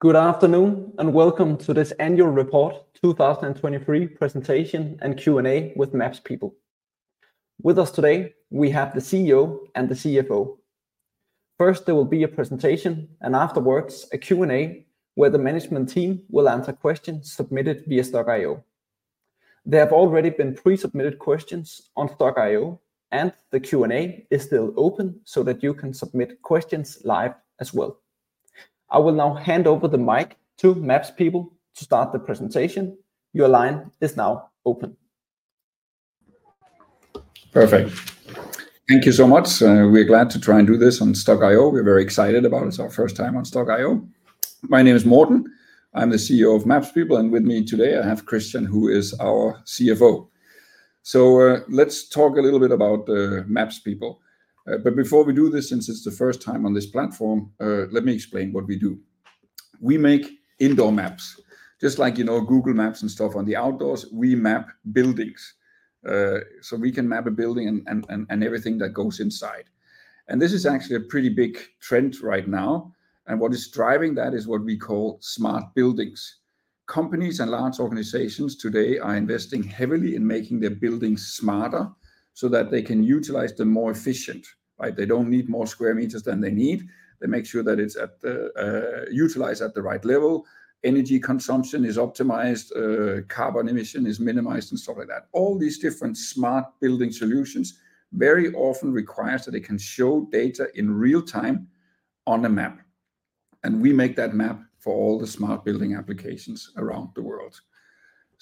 Good afternoon, and welcome to this annual report 2023 presentation and Q&A with MapsPeople. With us today, we have the CEO and the CFO. First, there will be a presentation, and afterwards, a Q&A, where the management team will answer questions submitted via Stokk.io. There have already been pre-submitted questions on Stokk.io, and the Q&A is still open so that you can submit questions live as well. I will now hand over the mic to MapsPeople to start the presentation. Your line is now open. Perfect. Thank you so much. We're glad to try and do this on Stokk.io. We're very excited about it. It's our first time on Stokk.io. My name is Morten. I'm the CEO of MapsPeople, and with me today, I have Christian, who is our CFO. So, let's talk a little bit about MapsPeople. But before we do this, since it's the first time on this platform, let me explain what we do. We make indoor maps, just like, you know, Google Maps and stuff on the outdoors, we map buildings. So we can map a building and everything that goes inside. And this is actually a pretty big trend right now, and what is driving that is what we call smart buildings. Companies and large organizations today are investing heavily in making their buildings smarter, so that they can utilize them more efficient, right? They don't need more square meters than they need. They make sure that it's at the utilized at the right level. Energy consumption is optimized, carbon emission is minimized, and stuff like that. All these different smart building solutions very often requires that they can show data in real time on a map, and we make that map for all the smart building applications around the world.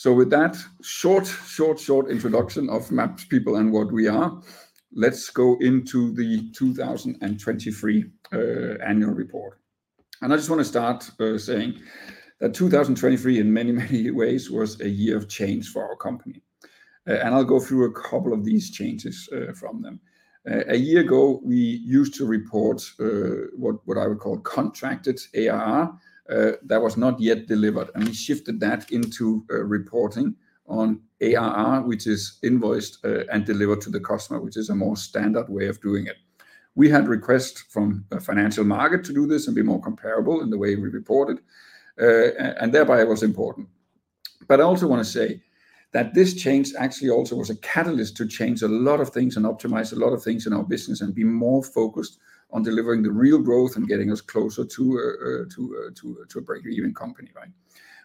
So with that short, short, short introduction of MapsPeople and what we are, let's go into the 2023 annual report. I just want to start saying that 2023, in many, many ways, was a year of change for our company. I'll go through a couple of these changes from them. A year ago, we used to report what I would call contracted ARR that was not yet delivered, and we shifted that into reporting on ARR, which is invoiced and delivered to the customer, which is a more standard way of doing it. We had requests from the financial market to do this and be more comparable in the way we reported, and thereby it was important. But I also want to say that this change actually also was a catalyst to change a lot of things and optimize a lot of things in our business and be more focused on delivering the real growth and getting us closer to a break-even company, right?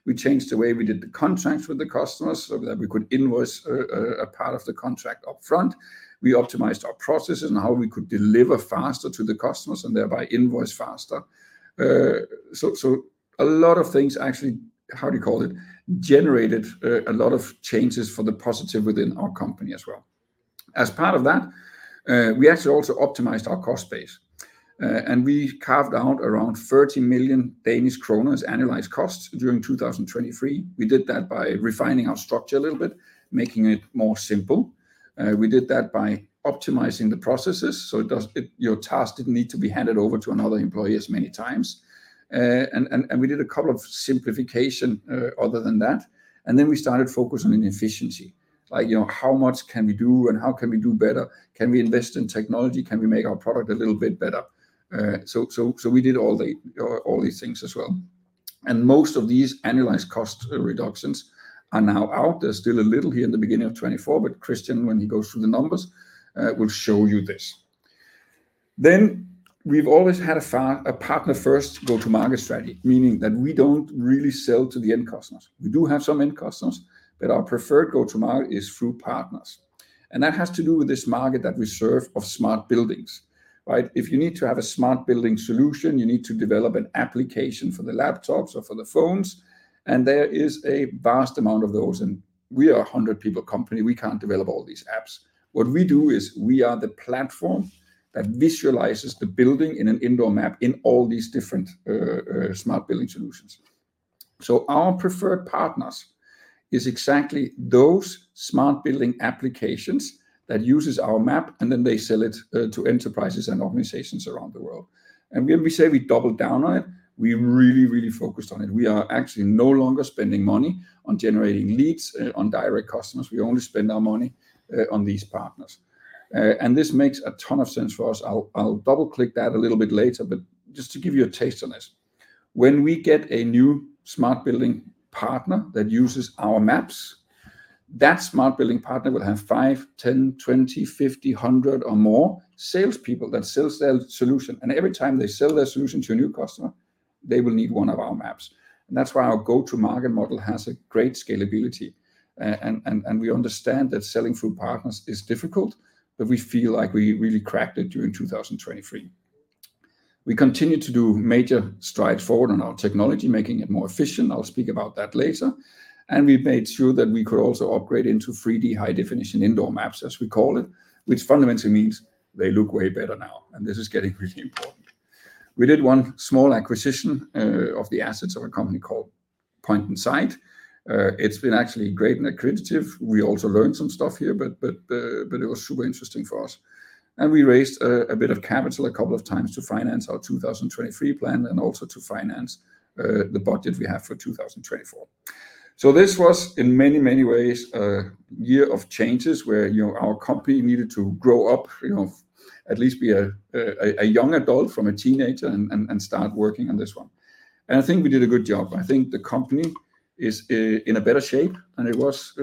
We changed the way we did the contracts with the customers, so that we could invoice a part of the contract upfront. We optimized our processes and how we could deliver faster to the customers and thereby invoice faster. So a lot of things actually, how do you call it? Generated a lot of changes for the positive within our company as well. As part of that, we actually also optimized our cost base, and we carved out around 30 million Danish kroner annualized costs during 2023. We did that by refining our structure a little bit, making it more simple. We did that by optimizing the processes, so it does- your task didn't need to be handed over to another employee as many times. We did a couple of simplification, other than that, and then we started focusing on efficiency. Like, you know, how much can we do and how can we do better? Can we invest in technology? Can we make our product a little bit better? So we did all these things as well. And most of these annualized cost reductions are now out. There's still a little here in the beginning of 2024, but Christian, when he goes through the numbers, will show you this. Then, we've always had a partner first go-to-market strategy, meaning that we don't really sell to the end customers. We do have some end customers, but our preferred go-to-market is through partners, and that has to do with this market that we serve of smart buildings, right? If you need to have a smart building solution, you need to develop an application for the laptops or for the phones, and there is a vast amount of those, and we are a 100-people company. We can't develop all these apps. What we do is we are the platform that visualizes the building in an indoor map in all these different smart building solutions. So our preferred partners is exactly those smart building applications that uses our map, and then they sell it to enterprises and organizations around the world. And when we say we doubled down on it, we really, really focused on it. We are actually no longer spending money on generating leads on direct customers. We only spend our money on these partners. And this makes a ton of sense for us. I'll double-click that a little bit later, but just to give you a taste on this. When we get a new smart building partner that uses our maps, that smart building partner will have 5, 10, 20, 50, 100 or more salespeople that sell their solution, and every time they sell their solution to a new customer, they will need one of our maps. And that's why our go-to-market model has a great scalability. And we understand that selling through partners is difficult, but we feel like we really cracked it during 2023. We continued to do major strides forward on our technology, making it more efficient. I'll speak about that later. And we made sure that we could also upgrade into 3D high definition indoor maps, as we call it, which fundamentally means they look way better now, and this is getting really important. We did one small acquisition of the assets of a company called Point Inside. It's been actually great and accretive. We also learned some stuff here, but, but, but it was super interesting for us. And we raised a bit of capital a couple of times to finance our 2023 plan, and also to finance the budget we have for 2024. So this was, in many, many ways, a year of changes where, you know, our company needed to grow up, you know, at least be a, a, a young adult from a teenager and, and, and start working on this one. I think we did a good job. I think the company is in a better shape than it was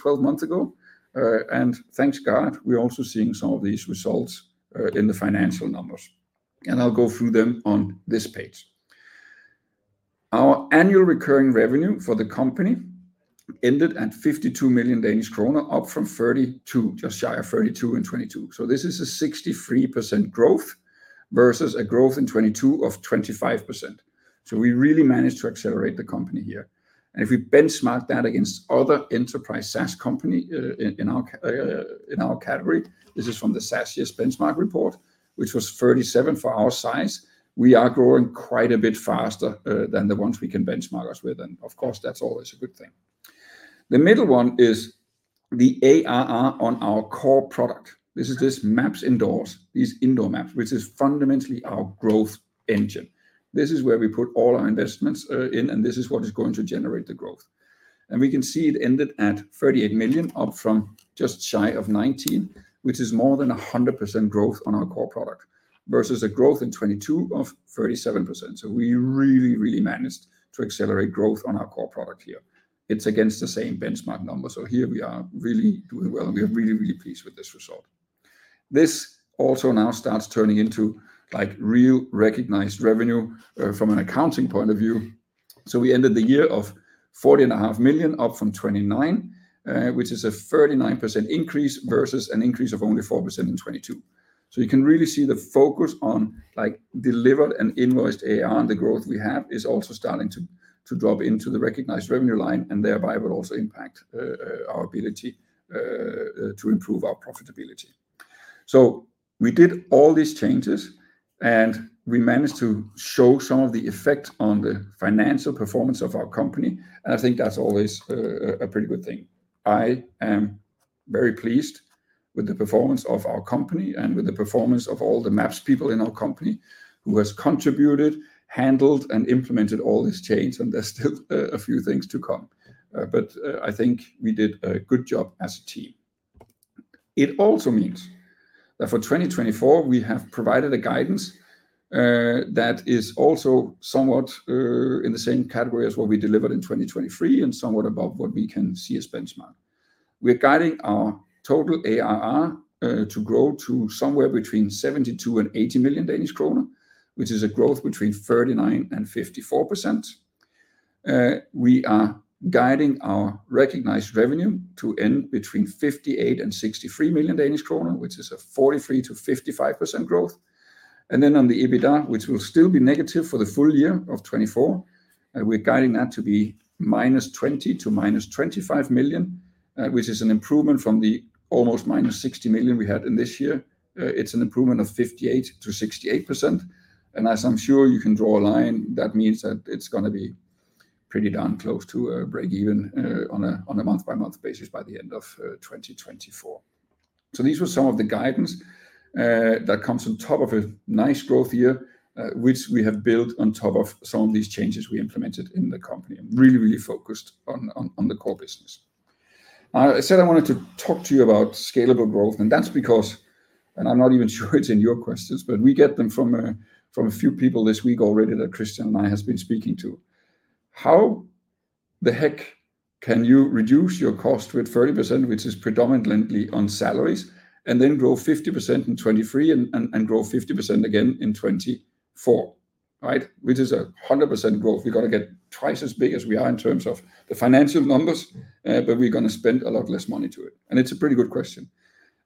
twelve months ago. And thank God, we're also seeing some of these results in the financial numbers, and I'll go through them on this page. Our annual recurring revenue for the company ended at 52 million Danish krone, up from 32 million, just shy of 32 million in 2022. So this is a 63% growth versus a growth in 2022 of 25%. So we really managed to accelerate the company here. And if we benchmark that against other enterprise SaaS company in our category, this is from the SaaStr Benchmark Report, which was 37 for our size. We are growing quite a bit faster than the ones we can benchmark us with, and of course, that's always a good thing. The middle one is the ARR on our core product. This is MapsIndoors, these indoor maps, which is fundamentally our growth engine. This is where we put all our investments in, and this is what is going to generate the growth. We can see it ended at 38 million, up from just shy of 19 million, which is more than 100% growth on our core product, versus a growth in 2022 of 37%. We really, really managed to accelerate growth on our core product here. It's against the same benchmark number. Here we are really doing well, and we are really, really pleased with this result. This also now starts turning into, like, real recognized revenue, from an accounting point of view. So we ended the year of 40.5 million, up from 29 million, which is a 39% increase, versus an increase of only 4% in 2022. So you can really see the focus on, like, delivered and invoiced ARR, and the growth we have is also starting to, to drop into the recognized revenue line and thereby will also impact, our ability, to improve our profitability. So we did all these changes, and we managed to show some of the effect on the financial performance of our company, and I think that's always, a pretty good thing. I am very pleased with the performance of our company and with the performance of all the MapsPeople in our company who has contributed, handled, and implemented all this change, and there's still a few things to come. But, I think we did a good job as a team. It also means that for 2024, we have provided a guidance, that is also somewhat, in the same category as what we delivered in 2023 and somewhat above what we can see as benchmark. We're guiding our total ARR, to grow to somewhere between 72 million and 80 million Danish kroner, which is a growth between 39% and 54%. We are guiding our recognized revenue to end between 58 million and 63 million Danish kroner, which is a 43%-55% growth. Then on the EBITDA, which will still be negative for the full year of 2024, we're guiding that to be -20 million to -25 million, which is an improvement from the almost -60 million we had in this year. It's an improvement of 58%-68%, and as I'm sure you can draw a line, that means that it's gonna be pretty darn close to a break even on a month-by-month basis by the end of 2024. So these were some of the guidance that comes on top of a nice growth year, which we have built on top of some of these changes we implemented in the company and really focused on the core business. I said I wanted to talk to you about scalable growth, and that's because, and I'm not even sure it's in your questions, but we get them from a few people this week already that Christian and I has been speaking to. How the heck can you reduce your cost with 30%, which is predominantly on salaries, and then grow 50% in 2023 and grow 50% again in 2024? Right. Which is a 100% growth. We've got to get twice as big as we are in terms of the financial numbers, but we're gonna spend a lot less money to it, and it's a pretty good question.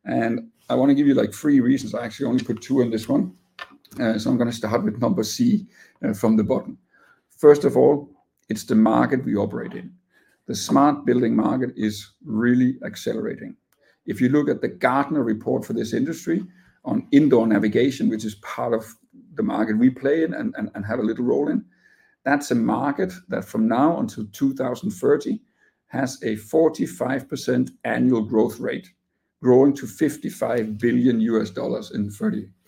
And I want to give you, like, three reasons. I actually only put two on this one, so I'm gonna start with number C from the bottom. First of all, it's the market we operate in. The smart building market is really accelerating. If you look at the Gartner report for this industry on indoor navigation, which is part of the market we play in and, and, and have a little role in, that's a market that from now until 2030 has a 45% annual growth rate, growing to $55 billion in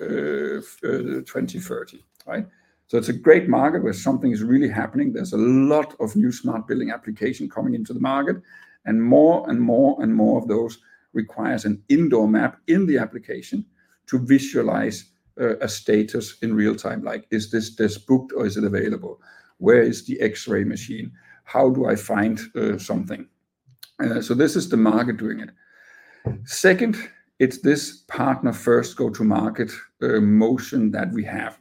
2030, right? So it's a great market where something is really happening. There's a lot of new smart building application coming into the market, and more, and more, and more of those requires an indoor map in the application to visualize a status in real time, like, is this desk booked or is it available? Where is the X-ray machine? How do I find something?... So this is the market doing it. Second, it's this partner-first go-to-market motion that we have.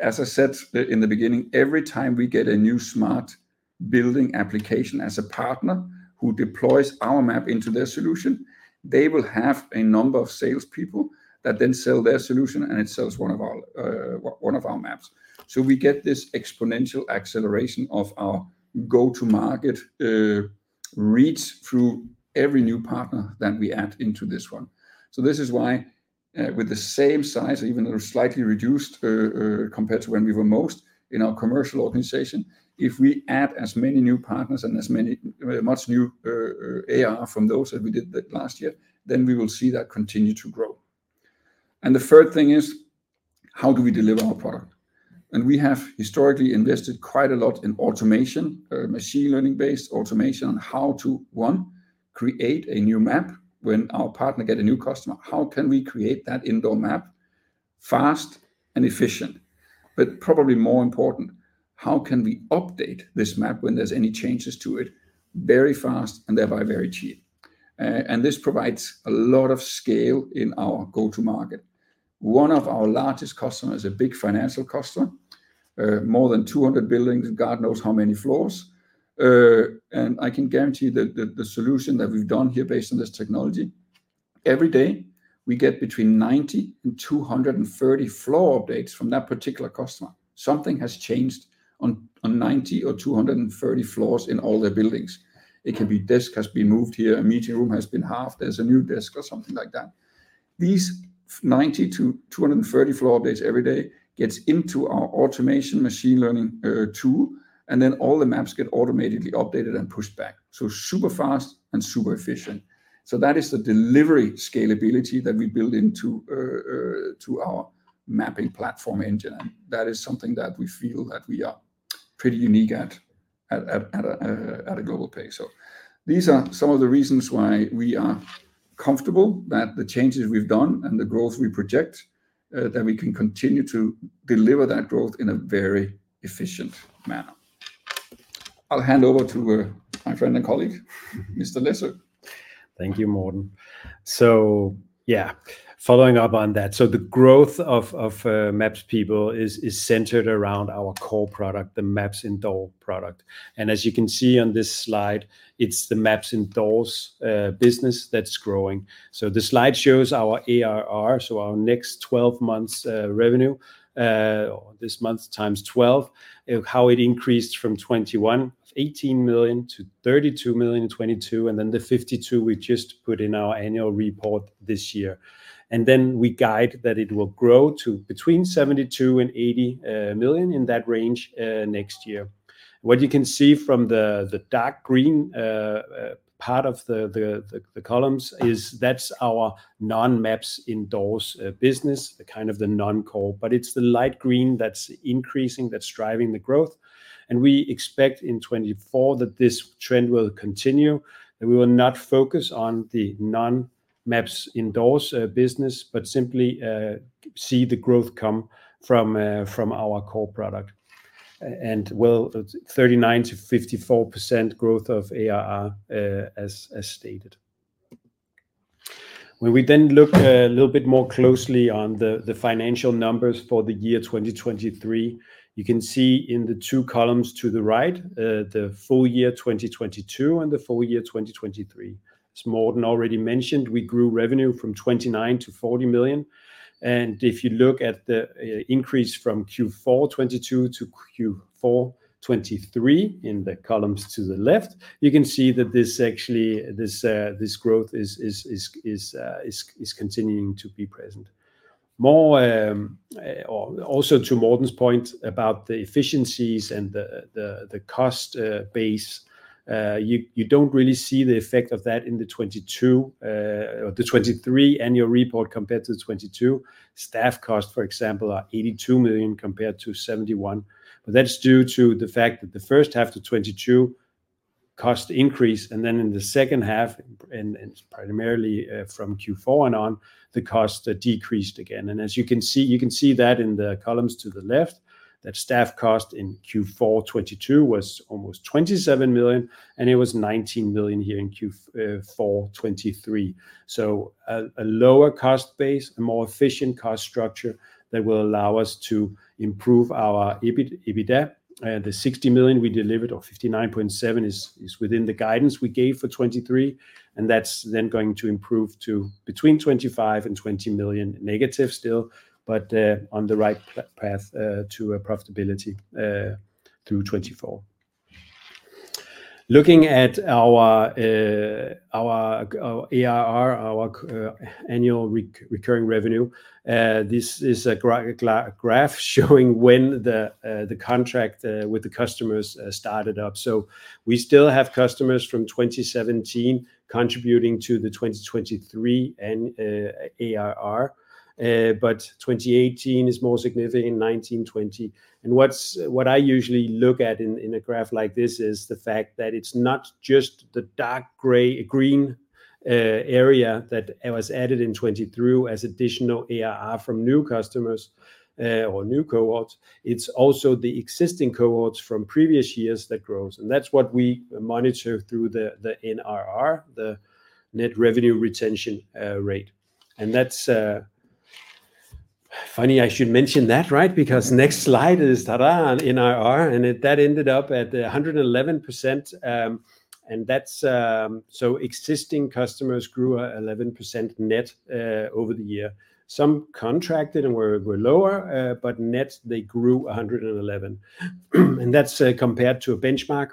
As I said in the beginning, every time we get a new smart building application as a partner who deploys our map into their solution, they will have a number of sales people that then sell their solution, and it sells one of our maps. So we get this exponential acceleration of our go-to-market reach through every new partner that we add into this one. So this is why, with the same size, even though slightly reduced, compared to when we were mostly in our commercial organization, if we add as many new partners and as much new ARR from those that we did that last year, then we will see that continue to grow. And the third thing is: How do we deliver our product? We have historically invested quite a lot in automation, machine learning-based automation, on how to 1, create a new map. When our partner get a new customer, how can we create that indoor map fast and efficient? But probably more important, how can we update this map when there's any changes to it, very fast and thereby very cheap? This provides a lot of scale in our go-to-market. One of our largest customers, a big financial customer, more than 200 buildings, God knows how many floors, and I can guarantee that the solution that we've done here based on this technology, every day, we get between 90 and 230 floor updates from that particular customer. Something has changed on 90 or 230 floors in all their buildings. It can be, a desk has been moved here, a meeting room has been halved, there's a new desk or something like that. These 90-230 floor updates every day gets into our automation Machine Learning tool, and then all the maps get automatically updated and pushed back. So super fast and super efficient. So that is the delivery scalability that we build into to our mapping platform engine. That is something that we feel that we are pretty unique at a global pace. So these are some of the reasons why we are comfortable that the changes we've done and the growth we project that we can continue to deliver that growth in a very efficient manner. I'll hand over to my friend and colleague, Mr. Læsø. Thank you, Morten. So yeah, following up on that, so the growth of MapsPeople is centered around our core product, the MapsIndoors product. And as you can see on this slide, it's the MapsIndoors business that's growing. So the slide shows our ARR, so our next twelve months revenue, this month times twelve, how it increased from 2021, 18 million to 32 million in 2022, and then the 52 million we just put in our annual report this year. And then we guide that it will grow to between 72 and 80 million in that range next year. What you can see from the dark green part of the columns is that's our non-MapsIndoors business, the kind of the non-core, but it's the light green that's increasing, that's driving the growth. We expect in 2024 that this trend will continue, and we will not focus on the non-MapsIndoors business, but simply see the growth come from our core product. Well, it's 39%-54% growth of ARR, as stated. When we then look a little bit more closely on the financial numbers for the year 2023, you can see in the two columns to the right the full year 2022 and the full year 2023. As Morten already mentioned, we grew revenue from 29 million to 40 million, and if you look at the increase from Q4 2022 to Q4 2023, in the columns to the left, you can see that this actually—this growth is continuing to be present. More, or also to Morten's point about the efficiencies and the cost base, you don't really see the effect of that in the 2022, the 2023 annual report compared to the 2022. Staff cost, for example, are 82 million compared to 71 million, but that's due to the fact that the first half to 2022 cost increase, and then in the second half, and primarily from Q4 and on, the cost decreased again. And as you can see, you can see that in the columns to the left, that staff cost in Q4 2022 was almost 27 million, and it was 19 million here in Q4 2023. So a lower cost base, a more efficient cost structure that will allow us to improve our EBIT, EBITDA. The 60 million we delivered or 59.7 million is within the guidance we gave for 2023, and that's then going to improve to between -25 million and -20 million negative still, but on the right path to a profitability through 2024. Looking at our ARR, our annual recurring revenue, this is a graph showing when the contract with the customers started up. So we still have customers from 2017 contributing to the 2023 and ARR, but 2018 is more significant, 2019, 2020. What I usually look at in a graph like this is the fact that it's not just the dark gray-green area that was added in 2023 as additional ARR from new customers or new cohorts, it's also the existing cohorts from previous years that grows, and that's what we monitor through the NRR, the net revenue retention rate. That's funny I should mention that, right? Because next slide is, ta-da, NRR, and that ended up at 111%. Existing customers grew 11% net over the year. Some contracted and were lower, but net, they grew 111. That's compared to a benchmark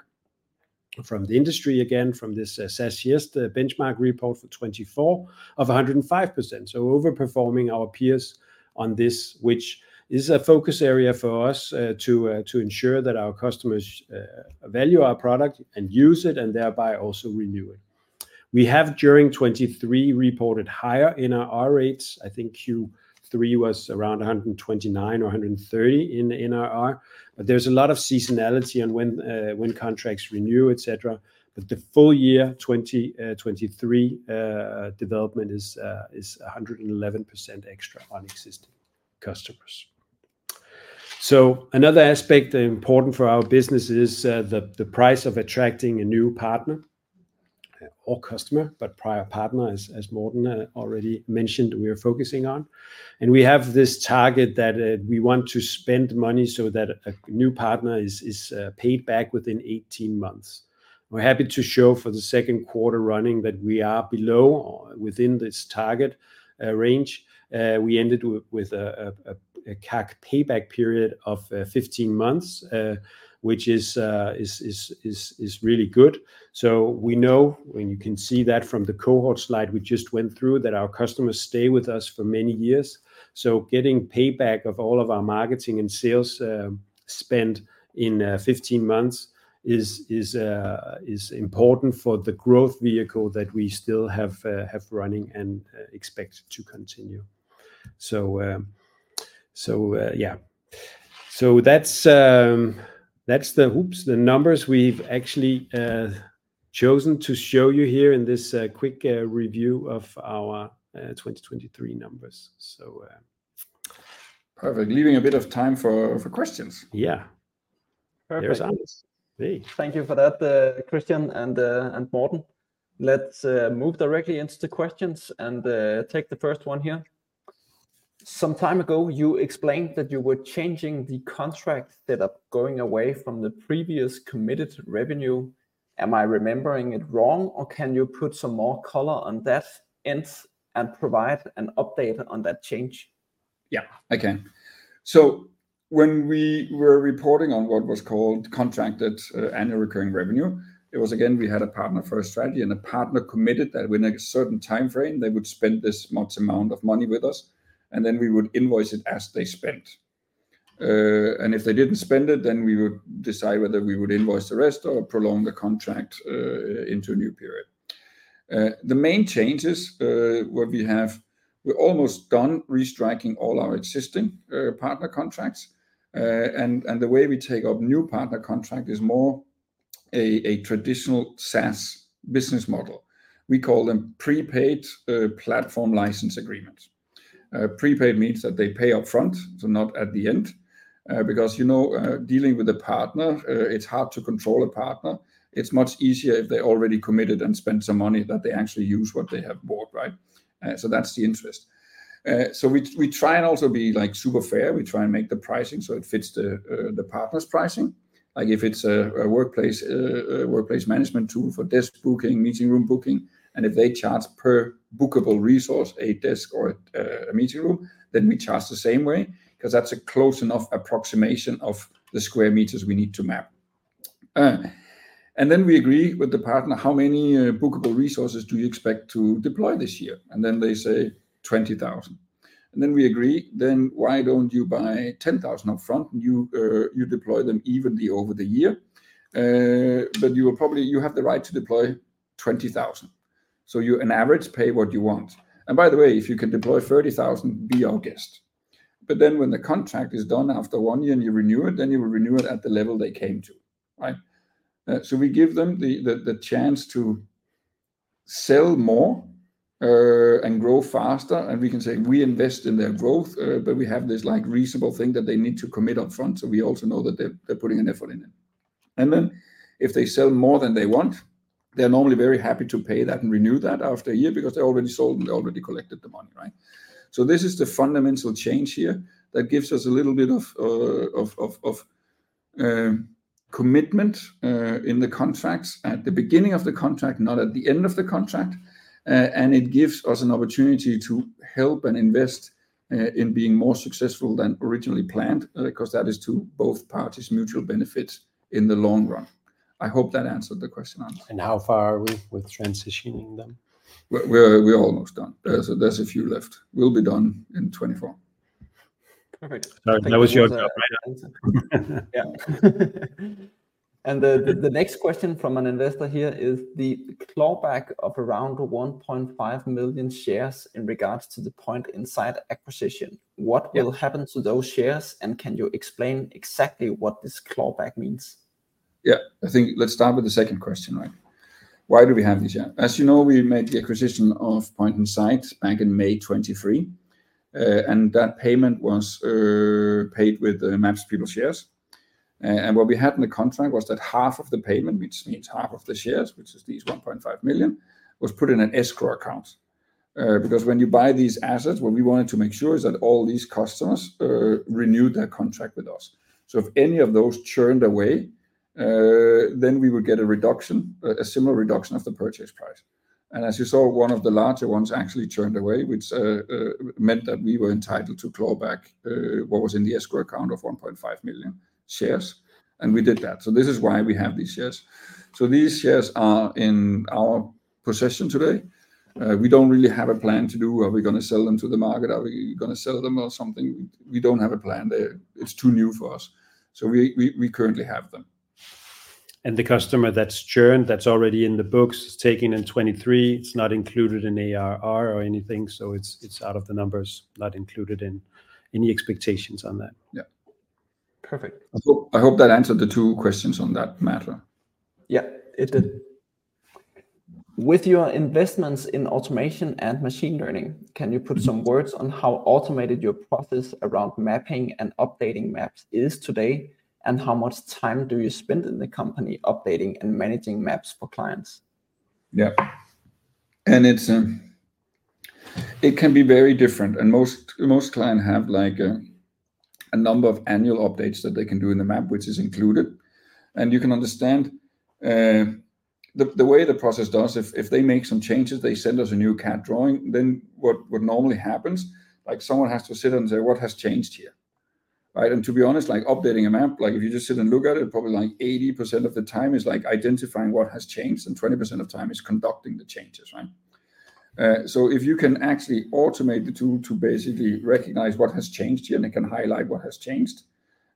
from the industry, again, from this SaaStr benchmark report for 2024 of 105%. So overperforming our peers on this, which is a focus area for us, to ensure that our customers value our product and use it, and thereby also renew it. We have, during 2023, reported higher NRR rates. I think Q3 was around 129 or 130 in NRR. But there's a lot of seasonality on when contracts renew, et cetera. But the full year 2023 development is 111% extra on existing customers. So another aspect important for our business is the price of attracting a new partner or customer, but prior partner, as Morten already mentioned, we are focusing on. And we have this target that we want to spend money so that a new partner is paid back within 18 months. We're happy to show for the second quarter running that we are below within this target range. We ended with a CAC Payback Period of 15 months, which is really good. So we know, and you can see that from the cohort slide we just went through, that our customers stay with us for many years. So getting payback of all of our marketing and sales spent in 15 months is important for the growth vehicle that we still have running and expect to continue. So yeah. So that's the... Oops, the numbers we've actually chosen to show you here in this quick review of our 2023 numbers. So Perfect. Leaving a bit of time for questions. Yeah. Perfect. Thank you for that, Christian and Morten. Let's move directly into the questions, and take the first one here. Some time ago, you explained that you were changing the contracts that are going away from the previous committed revenue. Am I remembering it wrong, or can you put some more color on that, and provide an update on that change? Yeah, I can. So when we were reporting on what was called contracted annual recurring revenue, it was again, we had a partner for Australia, and the partner committed that within a certain timeframe, they would spend this much amount of money with us, and then we would invoice it as they spent. And if they didn't spend it, then we would decide whether we would invoice the rest or prolong the contract into a new period. The main changes what we have, we're almost done restriking all our existing partner contracts. And the way we take up new partner contract is more a traditional SaaS business model. We call them prepaid platform license agreements. Prepaid means that they pay upfront, so not at the end. Because, you know, dealing with a partner, it's hard to control a partner. It's much easier if they already committed and spent some money, that they actually use what they have bought, right? So that's the interest. So we try and also be, like, super fair. We try and make the pricing so it fits the, the partner's pricing. Like if it's a workplace, workplace management tool for desk booking, meeting room booking, and if they charge per bookable resource, a desk or a meeting room, then we charge the same way, 'cause that's a close enough approximation of the square meters we need to map. And then we agree with the partner, "How many bookable resources do you expect to deploy this year?" And then they say, "20,000." And then we agree, "Then, why don't you buy 10,000 upfront, and you, you deploy them evenly over the year? But you will probably... You have the right to deploy 20,000. So you, on average, pay what you want. And by the way, if you can deploy 30,000, be our guest." But then when the contract is done after one year and you renew it, then you will renew it at the level they came to, right? So we give them the chance to sell more and grow faster, and we can say we invest in their growth, but we have this, like, reasonable thing that they need to commit upfront, so we also know that they're putting an effort in it. And then, if they sell more than they want, they're normally very happy to pay that and renew that after a year, because they already sold and they already collected the money, right? So this is the fundamental change here that gives us a little bit of commitment in the contracts at the beginning of the contract, not at the end of the contract. And it gives us an opportunity to help and invest in being more successful than originally planned, because that is to both parties' mutual benefit in the long run. I hope that answered the question, Anders. How far are we with transitioning them? We're almost done. There's a few left. We'll be done in 2024. Perfect. Now it's your job, right? Yeah. The next question from an investor here is the clawback of around 1.5 million shares in regards to the Point Inside acquisition. Yeah. What will happen to those shares, and can you explain exactly what this clawback means? Yeah. I think let's start with the second question, right? Why do we have these shares? As you know, we made the acquisition of Point Inside back in May 2023, and that payment was paid with MapsPeople shares. And what we had in the contract was that half of the payment, which means half of the shares, which is these 1.5 million, was put in an escrow account. Because when you buy these assets, what we wanted to make sure is that all these customers renewed their contract with us. So if any of those churned away, then we would get a reduction, a similar reduction of the purchase price. As you saw, one of the larger ones actually churned away, which meant that we were entitled to claw back what was in the escrow account of 1.5 million shares, and we did that. This is why we have these shares. These shares are in our possession today. We don't really have a plan to do, are we gonna sell them to the market? Are we gonna sell them or something? We don't have a plan there. It's too new for us. We currently have them. The customer that's churned, that's already in the books, is taken in 2023. It's not included in ARR or anything, so it's out of the numbers, not included in any expectations on that. Yeah. Perfect. I hope, I hope that answered the two questions on that matter. Yeah, it did. With your investments in automation and machine learning, can you put some words on how automated your process around mapping and updating maps is today? And how much time do you spend in the company updating and managing maps for clients? Yeah. And it's, it can be very different, and most clients have like a number of annual updates that they can do in the map, which is included. And you can understand the way the process does, if they make some changes, they send us a new CAD drawing, then what normally happens, like, someone has to sit and say, "What has changed here?" Right? And to be honest, like updating a map, like, if you just sit and look at it, probably like 80% of the time is like identifying what has changed, and 20% of time is conducting the changes, right? So if you can actually automate the tool to basically recognize what has changed here, and it can highlight what has changed,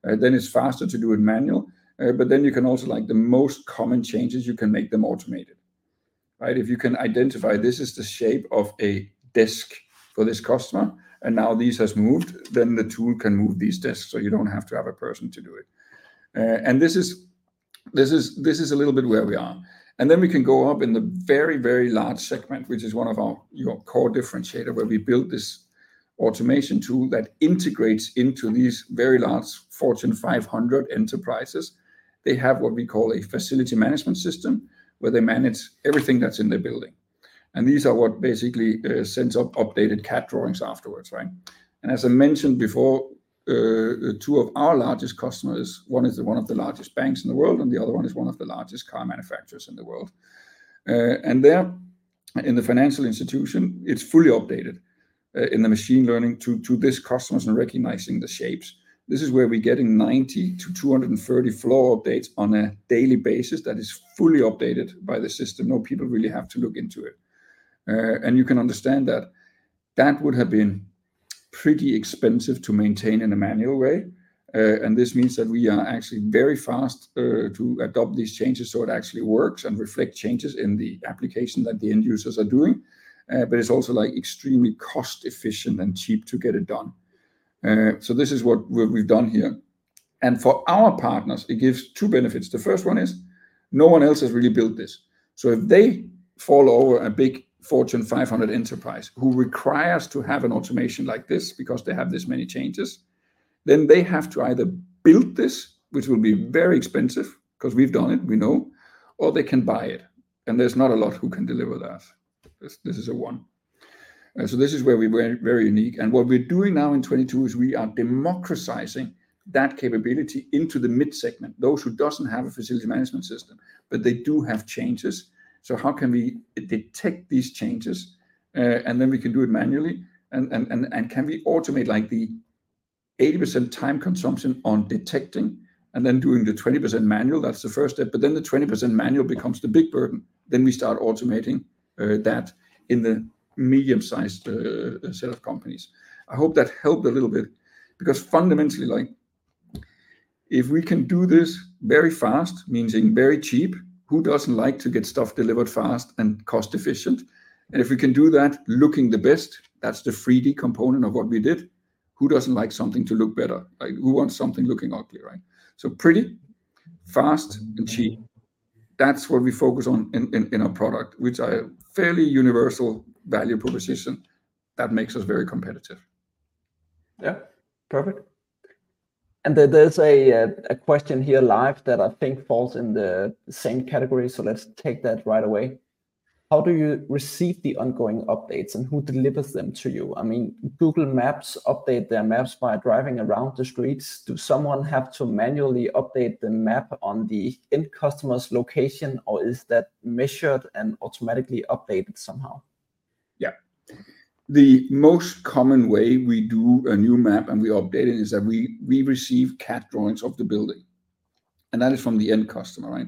then it's faster to do it manual. But then you can also like the most common changes, you can make them automated, right? If you can identify this is the shape of a desk for this customer, and now this has moved, then the tool can move these desks, so you don't have to have a person to do it. And this is a little bit where we are. And then we can go up in the very, very large segment, which is one of our, your core differentiator, where we built this automation tool that integrates into these very large Fortune 500 enterprises. They have what we call a facility management system, where they manage everything that's in their building. And these are what basically sends out updated CAD drawings afterwards, right? As I mentioned before, two of our largest customers, one is one of the largest banks in the world, and the other one is one of the largest car manufacturers in the world. In the financial institution, it's fully updated in the machine learning to these customers and recognizing the shapes. This is where we're getting 90-230 floor updates on a daily basis that is fully updated by the system. No people really have to look into it. And you can understand that that would have been pretty expensive to maintain in a manual way. And this means that we are actually very fast to adopt these changes, so it actually works and reflect changes in the application that the end users are doing. But it's also, like, extremely cost-efficient and cheap to get it done. So this is what we've done here. And for our partners, it gives two benefits. The first one is, no one else has really built this. So if they fall over a big Fortune 500 enterprise, who requires to have an automation like this because they have this many changes, then they have to either build this, which will be very expensive, because we've done it, we know, or they can buy it, and there's not a lot who can deliver that. This is a one. So this is where we're very unique. And what we're doing now in 2022 is we are democratizing that capability into the mid-segment, those who doesn't have a facility management system, but they do have changes. So how can we detect these changes? And then we can do it manually. And can we automate, like, the 80% time consumption on detecting and then doing the 20% manual? That's the first step, but then the 20% manual becomes the big burden. Then, we start automating that in the medium-sized set of companies. I hope that helped a little bit, because fundamentally, like, if we can do this very fast, meaning very cheap, who doesn't like to get stuff delivered fast and cost efficient? And if we can do that, looking the best, that's the 3D component of what we did, who doesn't like something to look better? Like, who wants something looking ugly, right? So pretty, fast, and cheap. That's what we focus on in our product, which are a fairly universal value proposition that makes us very competitive. Yeah, perfect. And there, there's a, a question here live that I think falls in the same category, so let's take that right away. How do you receive the ongoing updates, and who delivers them to you? I mean, Google Maps update their maps by driving around the streets. Do someone have to manually update the map on the end customer's location, or is that measured and automatically updated somehow? Yeah. The most common way we do a new map, and we update it, is that we receive CAD drawings of the building, and that is from the end customer, right?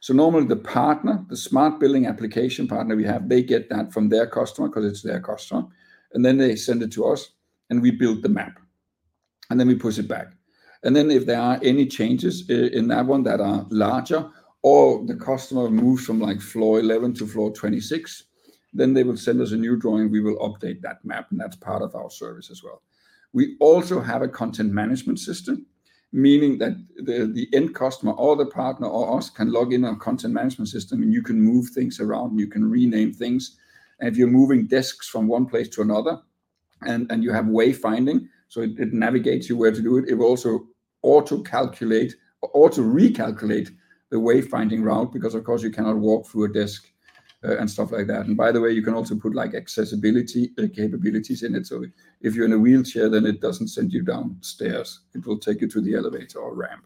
So normally, the partner, the smart building application partner we have, they get that from their customer because it's their customer, and then they send it to us, and we build the map, and then we push it back. Then if there are any changes in that one that are larger, or the customer moves from, like, floor 11 to floor 26, then they will send us a new drawing. We will update that map, and that's part of our service as well. We also have a content management system, meaning that the end customer, or the partner, or us, can log in on content management system, and you can move things around, you can rename things. If you're moving desks from one place to another and you have wayfinding, so it navigates you where to do it. It will also auto calculate or auto recalculate the wayfinding route, because of course you cannot walk through a desk, and stuff like that. And by the way, you can also put like accessibility capabilities in it. So if you're in a wheelchair, then it doesn't send you downstairs. It will take you to the elevator or ramp.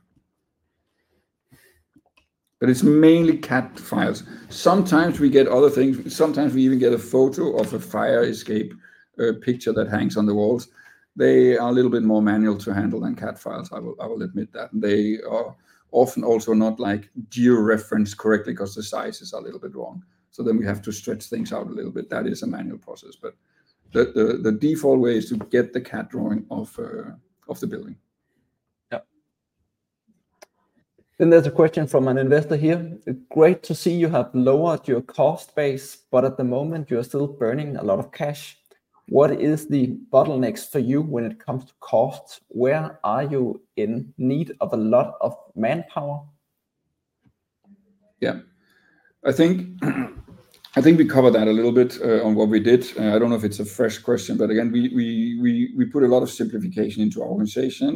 But it's mainly CAD files. Sometimes we get other things. Sometimes we even get a photo of a fire escape, a picture that hangs on the walls. They are a little bit more manual to handle than CAD files. I will admit that. They are often also not like georeferenced correctly because the size is a little bit wrong. So then we have to stretch things out a little bit. That is a manual process, but the default way is to get the CAD drawing of the building. Yep. There's a question from an investor here. "Great to see you have lowered your cost base, but at the moment you are still burning a lot of cash. What is the bottlenecks for you when it comes to costs? Where are you in need of a lot of manpower? Yeah. I think we covered that a little bit on what we did. I don't know if it's a fresh question, but again, we put a lot of simplification into our organization,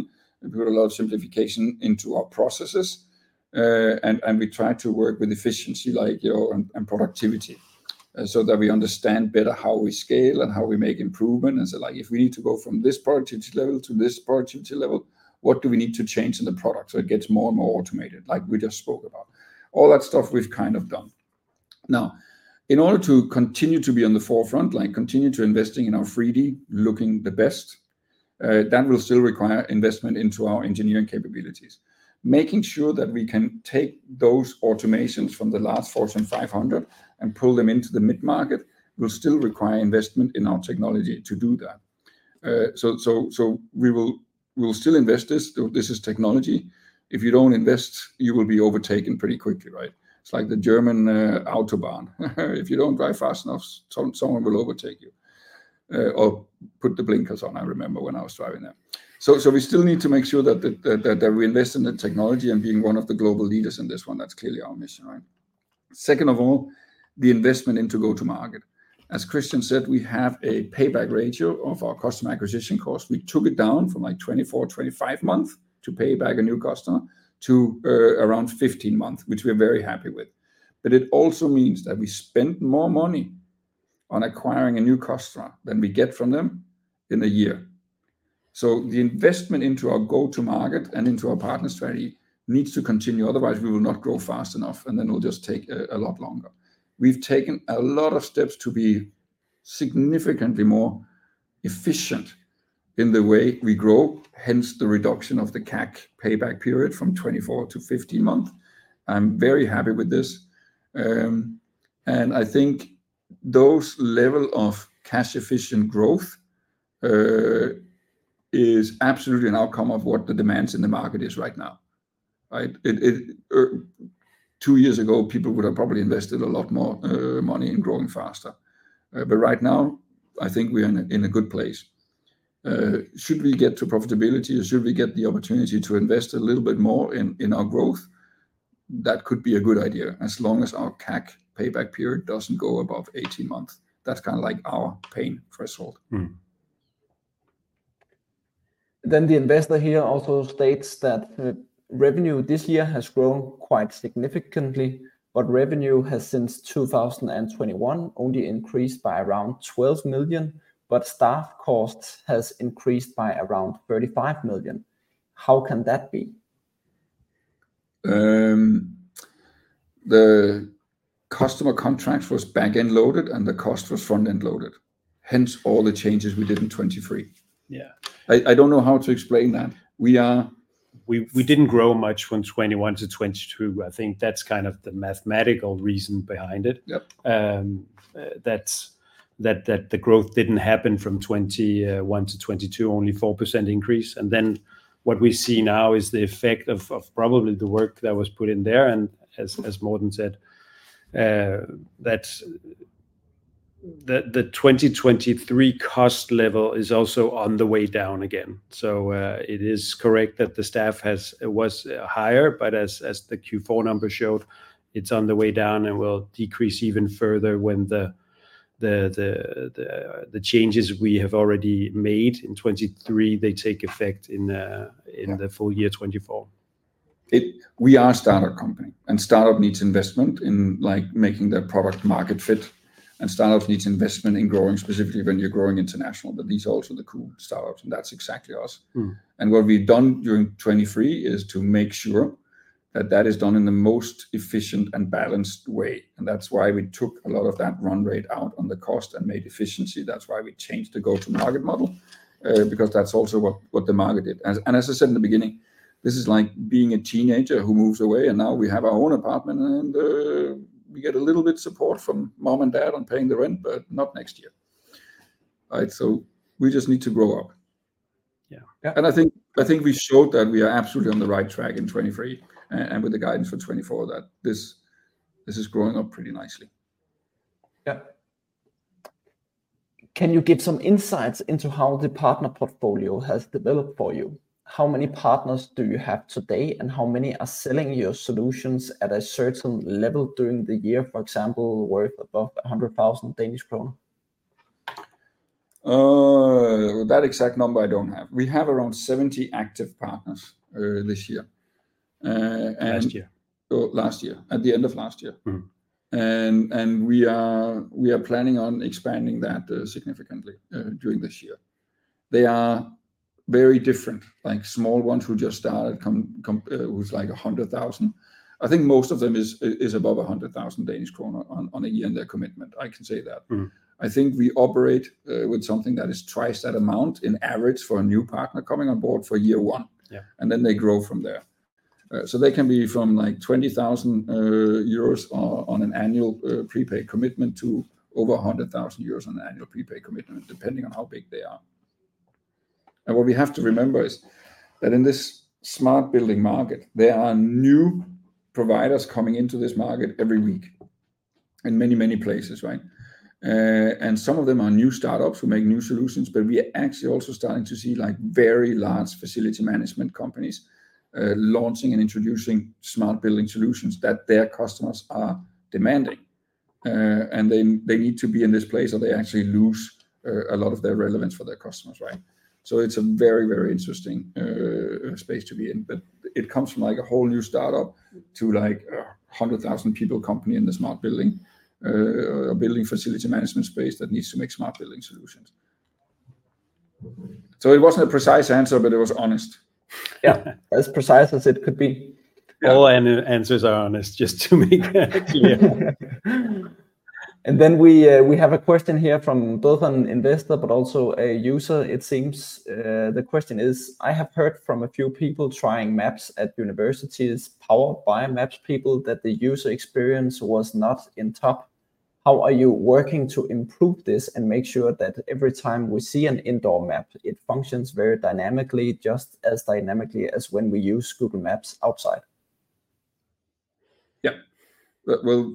and we put a lot of simplification into our processes. And we try to work with efficiency, like, you know, and productivity, so that we understand better how we scale and how we make improvement. And so, like, if we need to go from this productivity level to this productivity level, what do we need to change in the product so it gets more and more automated, like we just spoke about? All that stuff we've kind of done. Now, in order to continue to be on the forefront, like continue to investing in our 3D, looking the best, that will still require investment into our engineering capabilities. Making sure that we can take those automations from the last Fortune 500 and pull them into the mid-market, will still require investment in our technology to do that. So we will, we will still invest this. This is technology. If you don't invest, you will be overtaken pretty quickly, right? It's like the German Autobahn. If you don't drive fast enough, someone will overtake you. Or put the blinkers on, I remember when I was driving there. So we still need to make sure that we invest in the technology and being one of the global leaders in this one, that's clearly our mission, right? Second of all, the investment into go-to-market. As Christian said, we have a payback ratio of our customer acquisition cost. We took it down from, like, 24, 25 months to pay back a new customer to around 15 months, which we are very happy with. But it also means that we spend more money on acquiring a new customer than we get from them in a year. So the investment into our go-to-market and into our partner strategy needs to continue, otherwise we will not grow fast enough, and then it'll just take a lot longer. We've taken a lot of steps to be significantly more efficient in the way we grow, hence the reduction of the CAC payback period from 24 to 15 months. I'm very happy with this. And I think those level of cash efficient growth is absolutely an outcome of what the demands in the market is right now, right? Two years ago, people would have probably invested a lot more money in growing faster. But right now, I think we are in a good place. Should we get to profitability or should we get the opportunity to invest a little bit more in our growth, that could be a good idea, as long as our CAC payback period doesn't go above 18 months. That's kind of like our pain threshold. Then the investor here also states that, "The revenue this year has grown quite significantly, but revenue has, since 2021, only increased by around 12 million, but staff costs has increased by around 35 million. How can that be? The customer contract was back-end loaded, and the cost was front-end loaded, hence all the changes we did in 2023. Yeah. I don't know how to explain that. We are- We didn't grow much from 2021 to 2022. I think that's kind of the mathematical reason behind it. Yep. That the growth didn't happen from 2021 to 2022, only 4% increase. And then what we see now is the effect of probably the work that was put in there. And as Morten said, that the 2023 cost level is also on the way down again. So, it is correct that the staff was higher, but as the Q4 numbers showed, it's on the way down and will decrease even further when the changes we have already made in 2023, they take effect in the-... in the full year 2024. We are a startup company, and startup needs investment in, like, making their product market fit. And startup needs investment in growing, specifically when you're growing international. But these are also the cool startups, and that's exactly us. What we've done during 2023 is to make sure that that is done in the most efficient and balanced way, and that's why we took a lot of that run rate out on the cost and made efficiency. That's why we changed the go-to-market model, because that's also what, what the market did. And as I said in the beginning, this is like being a teenager who moves away, and now we have our own apartment and, we get a little bit support from mom and dad on paying the rent, but not next year, right? So we just need to grow up. I think, I think we showed that we are absolutely on the right track in 2023, and, and with the guidance for 2024, that this, this is growing up pretty nicely. Yeah. Can you give some insights into how the partner portfolio has developed for you? How many partners do you have today, and how many are selling your solutions at a certain level during the year, for example, worth above 100,000 Danish kroner?... that exact number I don't have. We have around 70 active partners this year. And- Last year. Oh, last year. At the end of last year. We are planning on expanding that significantly during this year. They are very different, like small ones who just started with like 100,000. I think most of them is above 100,000 Danish kroner on a year in their commitment, I can say that. I think we operate with something that is twice that amount in average for a new partner coming on board for year one. Yeah. Then they grow from there. So they can be from like 20,000 euros on an annual prepaid commitment to over 100,000 euros on an annual prepaid commitment, depending on how big they are. What we have to remember is that in this smart building market, there are new providers coming into this market every week, in many, many places, right? Some of them are new startups who make new solutions, but we are actually also starting to see, like, very large facility management companies launching and introducing smart building solutions that their customers are demanding. They need to be in this place or they actually lose a lot of their relevance for their customers, right? So it's a very, very interesting space to be in. But it comes from, like, a whole new startup to, like, a 100,000 people company in the smart building, or building facility management space that needs to make smart building solutions. So it wasn't a precise answer, but it was honest. Yeah. As precise as it could be. All answers are honest, just to make that clear. Then we have a question here from both an investor but also a user, it seems. The question is, "I have heard from a few people trying maps at universities, powered by MapsPeople, that the user experience was not in top. How are you working to improve this and make sure that every time we see an indoor map, it functions very dynamically, just as dynamically as when we use Google Maps outside? Yeah. Well, well,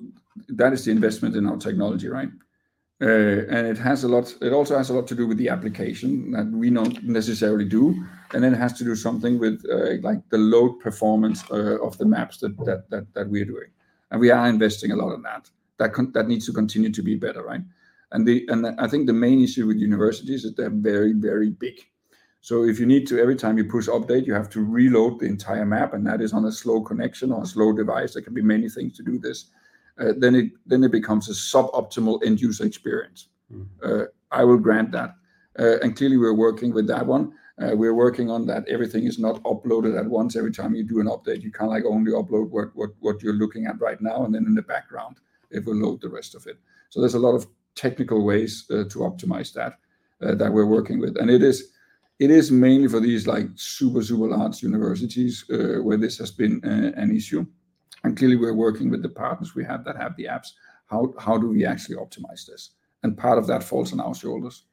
that is the investment in our technology, right? And it has a lot—it also has a lot to do with the application that we not necessarily do, and then it has to do something with, like the load performance of the maps that we're doing, and we are investing a lot on that. That needs to continue to be better, right? And I think the main issue with universities is they're very, very big. So if you need to, every time you push update, you have to reload the entire map, and that is on a slow connection or a slow device, there can be many things to do this, then it becomes a suboptimal end user experience. I will grant that. And clearly, we're working with that one. We're working on that. Everything is not uploaded at once. Every time you do an update, you can, like, only upload what you're looking at right now, and then in the background, it will load the rest of it. So there's a lot of technical ways to optimize that that we're working with. And it is mainly for these, like, super large universities, where this has been an issue. And clearly, we're working with the partners we have that have the apps. How do we actually optimize this? And part of that falls on our shoulders.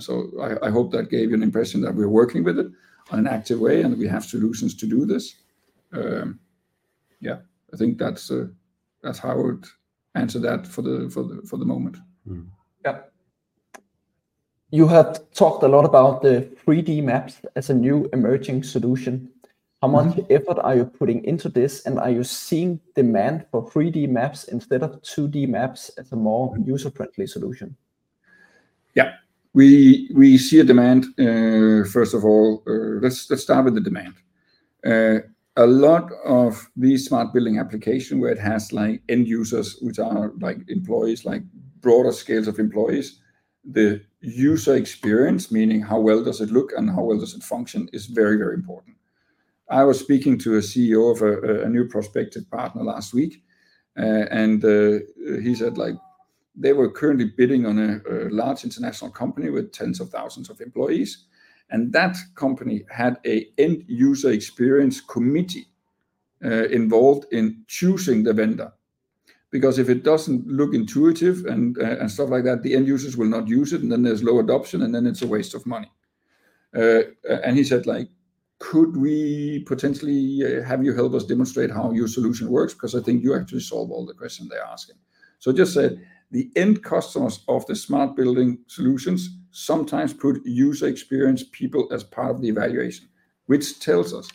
So I hope that gave you an impression that we're working with it in an active way and we have solutions to do this. Yeah, I think that's how I would answer that for the moment. Yeah. You have talked a lot about the 3D maps as a new emerging solution. How much effort are you putting into this, and are you seeing demand for 3D maps instead of 2D maps as a more user-friendly solution? Yeah. We see a demand. First of all, let's start with the demand. A lot of these smart building applications, where it has, like, end users, which are, like, employees, like, broader scales of employees, the user experience, meaning how well does it look and how well does it function, is very, very important. I was speaking to a CEO of a new prospective partner last week, and he said, like, they were currently bidding on a large international company with tens of thousands of employees, and that company had an end-user experience committee involved in choosing the vendor. Because if it doesn't look intuitive and stuff like that, the end users will not use it, and then there's low adoption, and then it's a waste of money. and he said, like, "Could we potentially have you help us demonstrate how your solution works? Because I think you actually solve all the questions they're asking." So just said, the end customers of the smart building solutions sometimes put user experience people as part of the evaluation, which tells us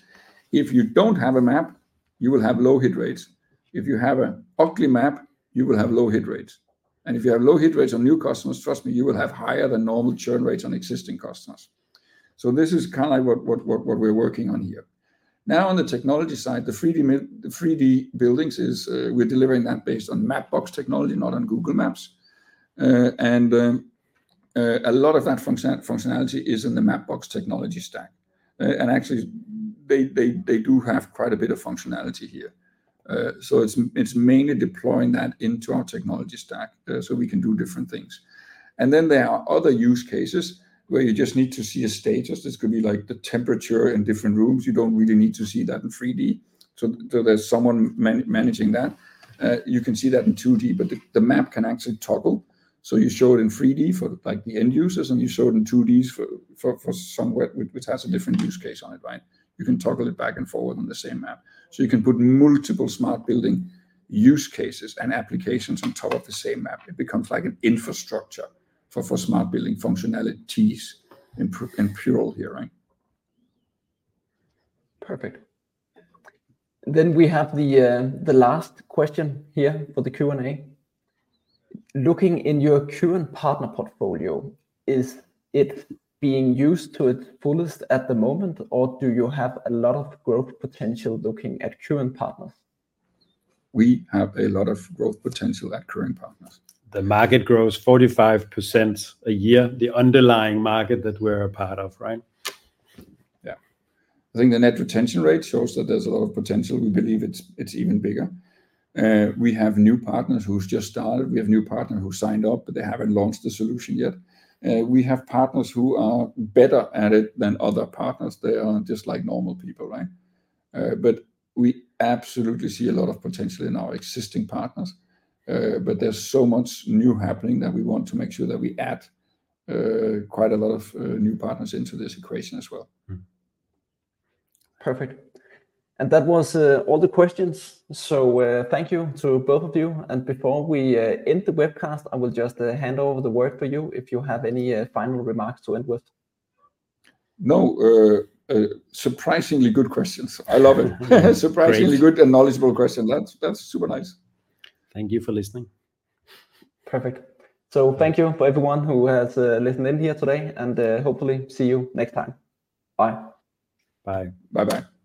if you don't have a map, you will have low hit rates. If you have an ugly map, you will have low hit rates. And if you have low hit rates on new customers, trust me, you will have higher than normal churn rates on existing customers. So this is kind of like what we're working on here. Now, on the technology side, the 3D buildings is, we're delivering that based on Mapbox technology, not on Google Maps. A lot of that functionality is in the Mapbox technology stack. Actually, they do have quite a bit of functionality here. So it's mainly deploying that into our technology stack so we can do different things. Then there are other use cases where you just need to see a status. This could be like the temperature in different rooms. You don't really need to see that in 3D. So there's someone managing that. You can see that in 2D, but the map can actually toggle. So you show it in 3D for, like, the end users, and you show it in 2D for somewhere which has a different use case on it, right? You can toggle it back and forward on the same map. So you can put multiple smart building use cases and applications on top of the same map. It becomes like an infrastructure for smart building functionalities in plural here, right? Perfect. Then we have the last question here for the Q&A: Looking in your current partner portfolio, is it being used to its fullest at the moment, or do you have a lot of growth potential looking at current partners? We have a lot of growth potential at current partners. The market grows 45% a year, the underlying market that we're a part of, right? Yeah. I think the net retention rate shows that there's a lot of potential. We believe it's even bigger. We have new partners who's just started, we have new partner who signed up, but they haven't launched the solution yet. We have partners who are better at it than other partners. They are just like normal people, right? But we absolutely see a lot of potential in our existing partners. But there's so much new happening that we want to make sure that we add quite a lot of new partners into this equation as well. Mm-hmm. Perfect. And that was all the questions. So, thank you to both of you. And before we end the webcast, I will just hand over the word for you, if you have any final remarks to end with. No, surprisingly good questions. I love it. Great. Surprisingly good and knowledgeable question. That's, that's super nice. Thank you for listening. Perfect. So thank you for everyone who has listened in here today, and hopefully see you next time. Bye. Bye. Bye-bye.